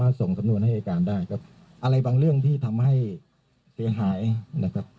อะไรบางเรื่องที่ทำให้เสียหายนะครับ